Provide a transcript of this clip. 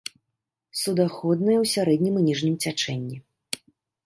Суднаходная ў сярэднім і ніжнім цячэнні.